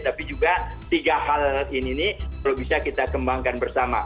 tapi juga tiga hal ini perlu bisa kita kembangkan bersama